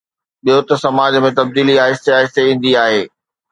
ٻيو ته سماج ۾ تبديلي آهستي آهستي ايندي آهي.